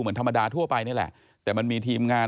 เหมือนธรรมดาทั่วไปนี่แหละแต่มันมีทีมงาน